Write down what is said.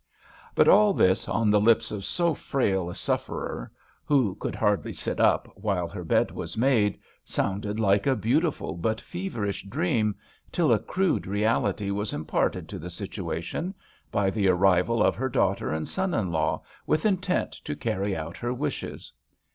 But all this on the lips of so frail a sufferer, who could hardly sit up while her bed was made, sounded like a beautiful but feverish dream, till a crude reality was imparted to the situation by the arrival of her daughter and son in law with intent to carry out her wishes.